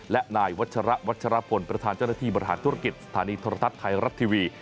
และนายวัชระวัชรพลประธานเจ้าหน้าที่บริหารธุรกิจสถานีโทรทัศน์ไทยรัฐทีวี